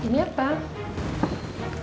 kok ada nama andin